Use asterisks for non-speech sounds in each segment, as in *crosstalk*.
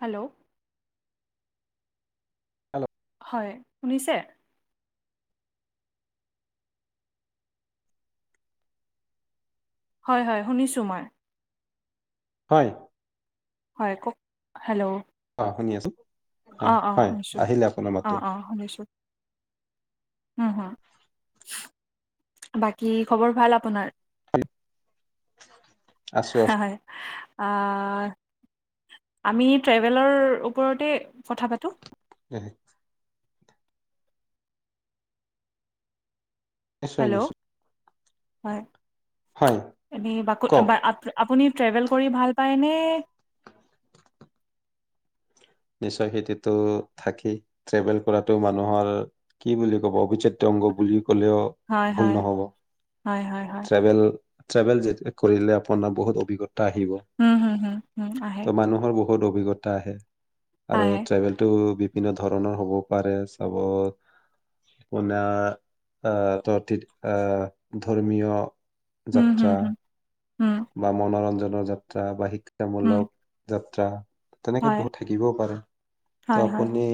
Hello hello হয় শুনিছে হয় হয় শুনিছোঁ মই হয় হয় কওঁক হেল্ল' অঁ শুনি আছো অঁ অঁ হয় শুনিছোঁ আহিলে আপোনাৰ মাতো উম হু বাকী খবৰ ভাল আপোনাৰ হয়, আছো আছো হয় আমি ট্ৰেভেলৰ ওপৰতে কথা পাতো হয় নিশ্চয় হেল্ল' নিশ্চয়। হয় হয় এ বাক কওক আপুনি ট্ৰেভেল কৰি ভাল পায় ন নিশ্চয় খেতিতটো থাকি ট্ৰেভেল কৰাতটো মানুহৰ কি বুলি ক'ব অভিজ প্ৰতংগ বুলি কলেও হয় ভুল হয় নহ'ব হয় হয় হয় ট্ৰভেল ট্ৰভেল যেতি কৰিলে আপোনাৰ বহুত অভিজ্ঞা উম হম হম হম আহ মানুহৰ বহুত অভিজ্ঞতা আহে। আৰু ট্ৰেভেলটো বিভিন্ন ধৰণৰ হ'ব পাৰে চাব আপোনাৰ আহ ত আহ ধৰ্মীয় হুম হুম যাত্ৰা হুম হুম বা মনোৰঞ্জন যাত্ৰা বা শিক্ষ হুম তেওঁমলক যাত- ত্ৰা তেনেকে হয় বহুত থাকিবও পাৰে হয় তো হয় আপুনি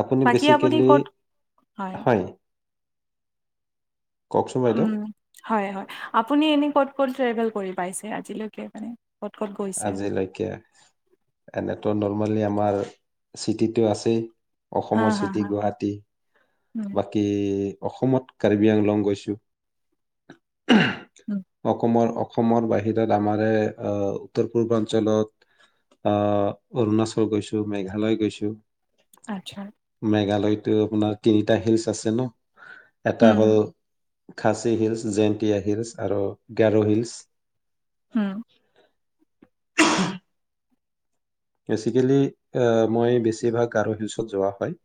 আপুনি বাকী আপুনি বেচিকেলি ক'ত হয় কওকচোন উম বাইদেউ হয় হয় আপুনি এনে কত ক'ত ট্ৰেভেল কৰি পাইছে আজিলৈকে মানে? ক'ত ক'ত গৈছে? আজিলৈকে এনেতো নল ৰ্মি আমাৰ চিটিতো আছেই হা, অসমৰ হা, চিটি হা, গুৱাহাটী উম, বাকী অসমত কাৰ্বি আংলং গৈছোঁ উম, অসমৰ অসমৰ বাহিৰত আমাৰে উত্তৰ পূৰ্বাঞ্চলত আহ অৰুণাচল গৈছোঁ মেঘালয় গৈছোঁ আচ্ছা মেঘালয়তো আপোনাৰ তিনিটা হিলচ আছে ন এটা উম, হ'ল হুম, খাচী হিলছ, জেণ্টিয়া হিলছ আৰু গৰো হিলছ। উম *inaudible* বেচিকেলি মই বেছিভাগ আৰু হিলছত যোৱা হয়।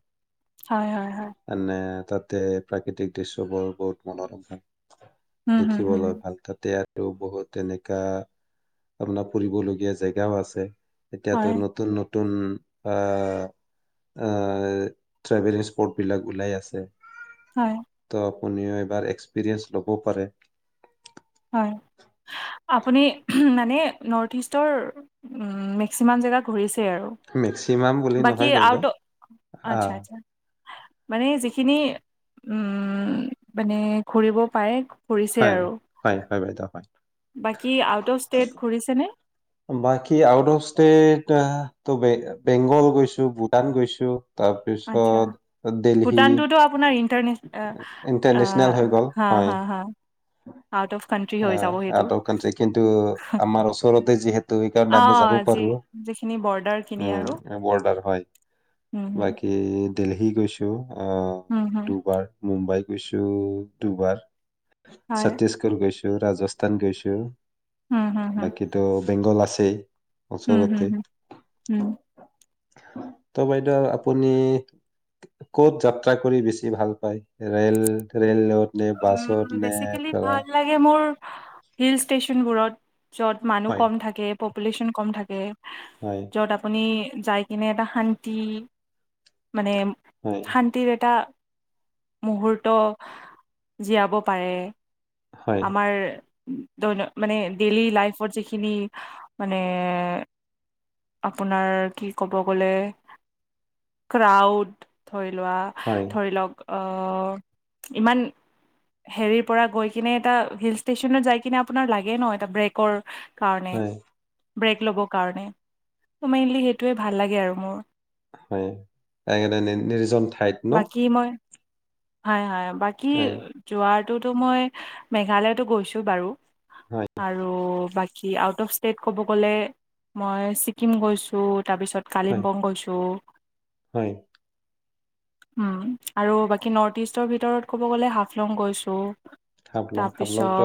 হয় হয় হয় মানে তাতে প্ৰাকৃতিক দৃশ্যবোৰ বহুত মনোৰঞ্জন উম, হুম, হুম, দেখিবলৈ হুম, ভাল তাতে আৰু আৰু বহুত তেনেকা আপোনাৰ ফুৰিবলগীয়া জেগাও আছে হয়, এতিয়াতো নতুন নতু- নতুন আ আ ট্ৰেভেলিং স্পৰ্ট বিলাক ওলাই আছে হয় কোনেও এবাৰ এক্সপিৰিয়েন্ঞ্চ ল'ব পাৰে হয় আপুনি মানে নৰ্থ ইষ্টৰ উম মেকচিমাম জেগা ঘূৰিছে আৰু মেক্সিমাম বুলি বাকী নহয় বাইদেউ। আউট অ আচ্ছা আহ আচ্ছা মানে যিখিনি উম মানে ঘুৰিব পাৰে ঘূৰিছে হয় আৰু হয় হয় বাইদেউ হয়। বাকি আউট অফ ষ্টেট ঘুৰিছে নে বাকী আউট অফ ষ্টেট ত বেংগল গৈছো ভূটান গৈছো আচ্ছা, তাৰপিছত দেলহি ভূটানটোতো আপোনাৰ ইণ্টাৰনেচ আহ ইন্টাৰনেচনেল হৈ গল হা হয় হা আ হা আউট অফ কানট্ৰি হৈ যাব সেইটো আউত অফ কাউন্ট্ৰী কিন্তু আমাৰ ওচৰতে যিহেতু অ সেইকাৰণে আমি যাব যি পাৰো যিখিনি বৰ্ডাৰ খিনি আৰু উ বৰ্ডাৰ হয় হম বাকী দেলহী গৈছোঁ উম হম মুম্বাই গৈছো দুবাৰ হয় ছত্তিশগড় গৈছো ৰাজস্থান গৈছো উম হম হম বাকীটো বেংগল আছেই উম হম ওচৰতে হম উম ত' বাইদেউ আপুনি কত যাত্ৰা কৰি বেচি ভাল পায় ৰেল ৰেলত নে বাছত উম নে বেচিকেলি পেলাই ভাল লাগে মোৰ হিল ষ্টেচনবোৰত য'ত মানুহ হয়। কম থাকে প পুলেশ্যন কম থাকে হয় যত আপুনি যাই কিনে এটা শান্তি মানে হয় শান্তিৰ এটা মুহূৰ্ত হয় জীয়াব পাৰে হয় আমাৰ ত মানে ডেইলি লাইফত যিখিনি মানে আপোনাৰ কি ক'ব গলে ক্ৰাউড ধৰি লোৱা হয় ধৰি লওক অ ইমান হেৰিৰ পৰা গৈ কিনে এটা হিল ষ্টেচনত যাই কিনে আপোনাৰ লাগে ন এটা ব্ৰেকৰ কাৰণে। হয় ব্ৰেক ল'বৰ কাৰণে মেইনলি সেইটোৱে ভাল লাগে আৰু মোৰ। হয় তাকে এটা নিৰ্জন ঠাইত ন বাকী মই হয় হয়। বাকী এ, যোৱা তো মই মেঘালয়তো গৈছো বাৰু। হয় আৰু বাকী কী আউট অফ ষ্টেট ক'ব গ'লে মই ছিকিম গৈছোঁ, তাৰপিছত হয় কালিম্পং গৈছোঁ, হয় আৰু বাকী নৰ্থ ইষ্টৰ ভিতৰত ক'ব গ'লে হাফলং গৈছোঁ। হাফলং হাফলং ত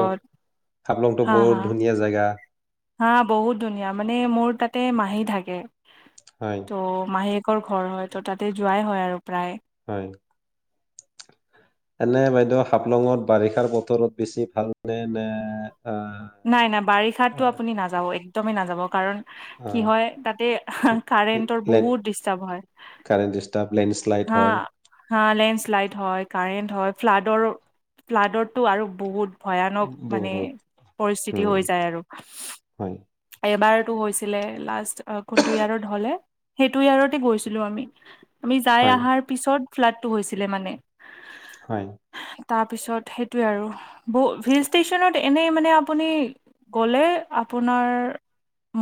হাফলংটো হা বহহুত হা ধুনীয়া জেগা। হা বহুত ধুনীয়া মানে মোৰ তাতে মাহী থাকে। হয় ত মাহী ঘৰ হয় ত' তাতে যোৱাই হয় আৰু প্ৰায়। *unintelligible* এনে বাইদেউ হাফলঙত বাৰিষাৰ বতৰত বেছি ভাল নে নে আহ নাই নাই বাৰিষাত ত আপুনি নাযাব এক একদমেই নাযাব। কাৰণ কি আহ হয় তাতে কাৰেণ্টৰ লেট বহুত ডিষ্টাৰ্ব হয়। কাৰেণ্ট ডিষ্টাৰ্ব লেণ্ডশ্লাইড হা হয় হা লেণ্ডস্লাইড হয়, কাৰেন্ট ফ্লডৰ ফ্লাডৰটো আৰু বহুত ভয়ানক মানে বহুত পৰিস্থিতি উম, হৈ যায় আৰু হয় এবাৰ ত হৈছিলে লাষ্ট কোনটো ইয়াৰত হলে সেইটো ইয়াৰতে গৈছিলোঁ আমি যাই হয় অহাৰ পিছত ফ্লাডটো হৈছিলে মানে। হয়। তাৰপিছত সেইটোৱে আৰু হিল ষ্টেচনত এনেই মানে আপুনি গ'লে আপোনাৰ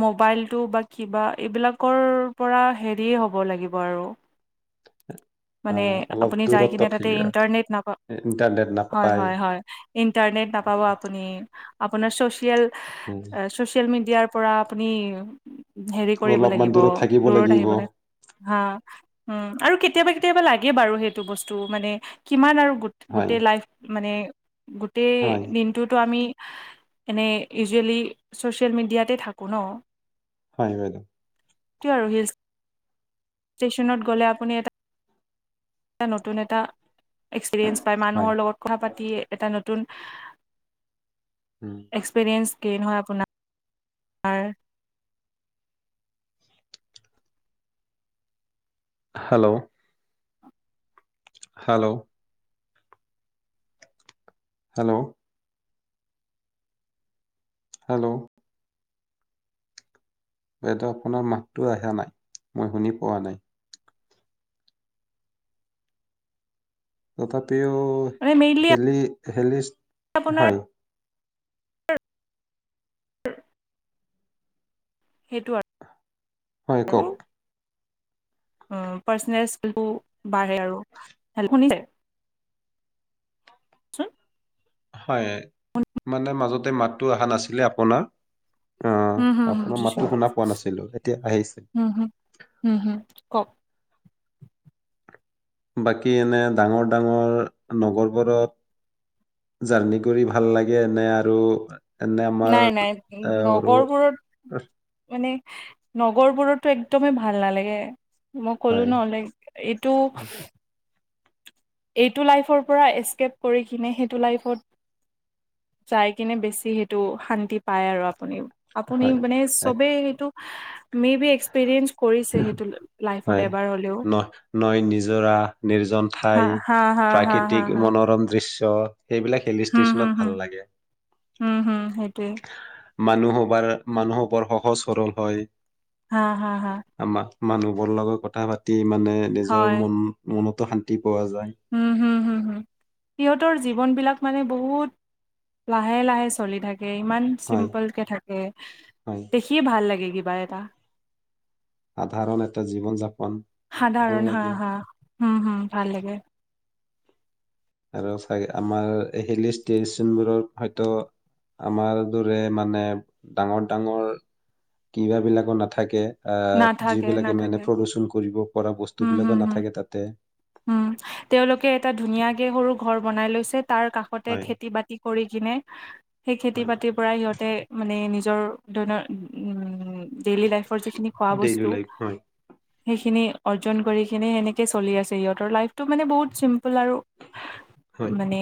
মোবাইলটো বা কিবা এইবিলাকৰ পৰা হেৰিয়ে হ'ব লাগিব আৰু। মানে আহ, অলপ আপুনি যাই দূৰত্বত কিনে থাকি তাতে ইণ্টাৰনেট ইণ্টাৰনেট নাপায় নাপায়। হয় হয় ইটাৰনেট নাপাব আপুনি। আপোনাৰ চ'চিয়েল উম, ছ'চিয়েল মিডিয়া দিয়াৰ পৰা আপুনি হেৰি কৰিব অলপমান লাগিব দূৰত থাকিব দূৰত লাগিব আহিবলে হা উম আৰু কেতিয়াবা কেতিয়াবা লাগে বাৰু সেইটো বস্তু মানে কিমান আৰু গোট হয় গোটেই লাইফ মানে গোটেই হয় দিনটোতো আমি এনেই ইউজুৱেলি ছচিয়েল মিডিয়াতে থাকো ন। হয় বাইদেও। আৰু হিল ষ্টেচনত গ'লে আপুনি এটা এটা নতুন এটা এক্সপিৰিয়েঞ্চ পায় হয়। মানুহৰ লগত কথা পাতি এটা নতুন নতুন উম, এক্সপেৰিয়েঞ্চ। কেই নহয় আপোনাৰ। হেল্ল'! হেল্ল'! হেল্ল'! হেল্ল'! বাইদেউ আপোনাৰ মাতটো আহা নাই মই শুনি পোৱা নাই। তঠা মানে *unintelligible* মেইনলি হেলিষ্ট আপোনাৰ সেইটো আৰু হয় কওক অ পাৰ্চনেল বাঢ়ে আৰু হেল্ল শুনিছে? *inaudible* হয় মানে মাজতে মাতটো অহা নাছিলে আপোনাৰ। অ উম হম হম আপোনাৰ দিছো মাতটো শুনা পোৱা নাছিলো এতিয়া আহিছে উম হম-হম-হম কওক? বাকী এনে ডাঙৰ-ডাঙৰ নগৰবোৰত জাৰ্ণি কৰি ভাল লাগে নে আৰু এনে আমাৰ নাই-নাই আহ, সৰু নগৰবোৰত মানে নগৰবোৰতো একদমেই ভাল নালাগে। মই ক'লো হয় ন লাইক এইটো এইটো লাইফৰ পৰা এচকেপ কৰি কিনে সেইটো লাইফত যাই কিনে বেছি সেইটো শান্তি পায়, আৰু আপুনি। আপুনি হয় মানে এক- চবেই এইটো মে বি এক্সপিৰিয়েঞ্চ কৰিছে সেইটো লাইফত হয় এবাৰ হ'লেও। ন নৈ নিজৰা নিৰ্জন হা ঠাই হা হা হা হা প্ৰাকৃতিক হা মনোৰম দৃশ্য সেইবিলাক হিল হুম হুম ষ্টেচনত ভাল হুম লাগে। হুম হুম সেইটোৱে। মানুহ বোৰ মানুহো বৰ সহজ সৰল হয়। হা-হা-হা! মানুহবোৰ লগত কথা পাতি মানে নিজৰ মন-মন তহঁতি হু- হু -হু -হু সিহঁতৰ জীৱন বিলাক মানে বহুত লাহে-লাহে চলি থাকে। ইমান হয় চিম্পল কে থাকে। হয় দেখিয়ে ভাল লাগে! কিবা এটা। সাধাৰণ এটা জীৱন যাপ সাধাৰণ হা! হা! হুম! হুম! ভাল লাগে। আৰু চাগে, আমাৰ হেলি ষ্টেচনবোৰৰ হয়তো আমাৰ দৰে মানে, ডাঙৰ, ডাঙৰ, কিবা বিলাকো নাথাকে। আ' নাথাকে যিবিলাকে মানে নাথাকে প্ৰমোচন কৰিব পৰা। বস্তু হুম হুম বিলাকো হুম নাথাকে তাতে। উম, তেওঁলোকে এটা, ধুনীয়াকে সৰু ঘৰ বনাই লৈছে। তাৰ কাষতে, হয় খেতি বাতি কৰি কেনে, সেই খেতি হয় বাতিৰ পৰা সিহঁতে মানে নিজ *unintelligible* ডেইলি লাইফৰ যিখিনি খোৱা ডেইলি বস্তু। লাইফ হয় সেইখিনি অৰ্জন কৰি কেনে, সেনেকে চলি আছে ইহঁত। সিহঁতৰ ৰ লাইফটো মানে বহুত চিম্পুল আৰু হয় মানে!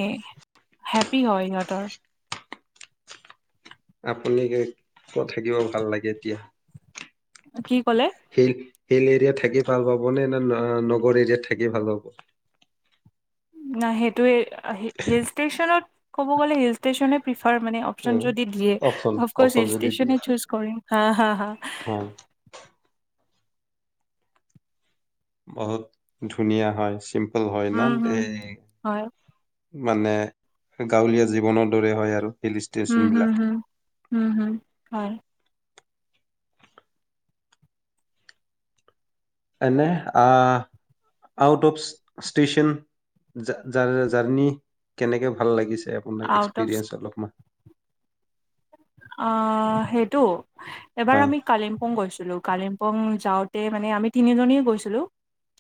হেপ্পী হৈ ইহঁতৰ। আপুনি কে ক'ত থাকিব ভাল লাগে এতিয়া? কি ক'লে সেই হিল এৰিয়াত থাকি ভাল পাব নে! নে নগৰ এৰিয়াত থাকি ভাল পাব! না সেইটোৱেই। হি হিল ষ্টেচনত ক'ব গ'লে, হিল ষ্টেচনে প্ৰি তাৰ মানে, অপচন উম, যদি দিয়ে অপচন অফক্ৰচ অপচন হিল যদি দিয়ে ষ্টেচনে চু্চ কৰিম। হাঁ! হাঁ! হাঁ! হয় বহুত ধুনীয়া হয়! চিম্প ভাল হয় নাই। উম, হম, এই হয়। *inaudible* মানে, গাঁৱলীয়া জীৱনৰ দৰে হয় আৰু। হিল ষ্টেচন উম, উ, বিলাক হু, উম, উম, হয়। এনে আহ আউট অফ ষ্টেচন জা জাৰ জাৰ্ণি কেনেকে ভাল লাগিছে। আপোনাক আউট অফ এক্সপিৰিয়েঞ্চ অলপমান। আহ সেইটো এবাৰ হয় আমি কালিম্পুং গৈছিলো কালিম্পং যাওঁতে মানে আমি তিনিজনীয়ে গৈছিলো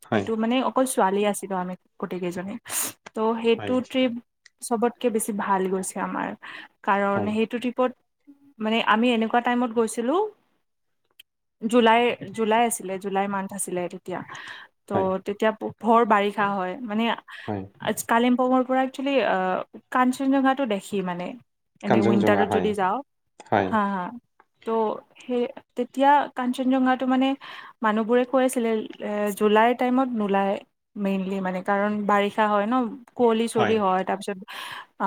হয় সেইটো মানে অকল স্কু- ছোৱালী আছিলো আমি গোটেই কেইজনী। ত'হ সেইটো হয় ট্ৰিপ সৱতকে বেছি ভাল গৈছিল। আমাৰ কাৰণ হয় সেইটো ট্ৰিপত মানে, আমি এনেকুৱা টাইমত গৈছিলো, জুলাই, জুলাই আছিলে, জুলাই মান্থ আছিলে সেইটো। তিয়া টো হয় তেতিয়া ভৰ বাৰিষা হয়, মানে হয় অ, কালিং অসমৰ পৰা একচেলি, কাঞ্চনজংঘাটো দেখি মানে। এনেই, কাঞ্চনজুঙা উইণ্টাৰত হয় যদি যাওঁ। হয় হা, হা। টো, সেই তেতিয়া কাঞ্চনজংঘাটো মানে মানুহবোৰে কৈ আছিলে, এ জুলাইৰ টাইমত নোলাই, মেইনলি মানে কাৰণ বাৰিষা হয় ন। কুঁৱলী, চোৱলি হয়। তাৰপিছত অ,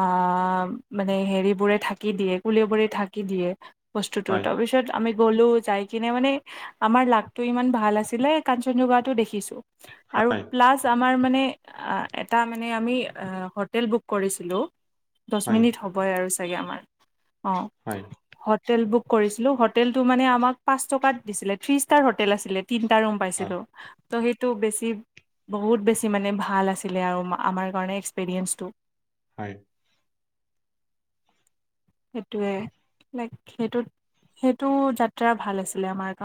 মানে হেৰিবোৰে ধাকি দিয়ে, কুৱঁলী বোৰে। ধাকি দিয়ে। বস্তুতো, হয় তাৰপিছত আমি গ'লো, যাই কিনে মানে, আমাৰ লাকটো ইমান ভাল আছিলে, কাঞ্চনজংঘাটো দেখিছো। আৰু হয় প্লাছ আমাৰ। মানে, আ, এটা, মানে আমি হোটেল বুক কৰিছিলো। দশ হয় মিনিট হ'বই আৰু। ছাগে আমাৰ অ, হয় হটেল বুক কৰিছিলো, হোটেল টো মানে আমাক পাঁচ টকাত দিছিলে, থ্ৰী ষ্টাৰ হোটেল আছিলে। তিনটা ৰুম হয় পাইছিলো। সেইটো বেছি, বহুত বেছি মানে ভাল আছিলে, আৰু আমাৰ কাৰণে এক্সপেৰিয়েঞ্চটো। হয়। সেইটোৱে, লাইক সেইটোত, সেইটো যাত্ৰা ভাল আছিলে, আমাৰ কাৰণে।